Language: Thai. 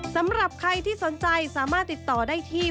สำหรับใครที่สนใจสามารถติดต่อได้ที่